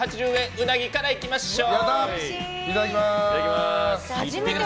うなぎからいきましょう。